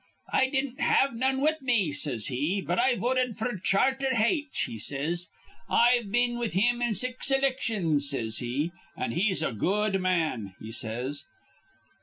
'I didn't have none with me,' says he, 'but I voted f'r Charter Haitch,' says he. 'I've been with him in six ilictions,' says he, 'an' he's a good man,' he says.